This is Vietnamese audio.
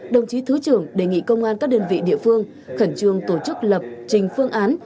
đồng chí thứ trưởng đề nghị công an các đơn vị địa phương khẩn trương tổ chức lập trình phương án